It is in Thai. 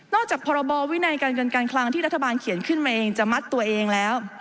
จากพรบวินัยการเงินการคลังที่รัฐบาลเขียนขึ้นมาเองจะมัดตัวเองแล้ว